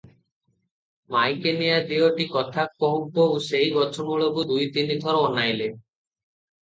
ମାଈକିନିଆ ଦିଓଟି କଥା କହୁ କହୁ ସେହି ଗଛ ମୂଳକୁ ଦୁଇ ତିନି ଥର ଅନାଇଲେ ।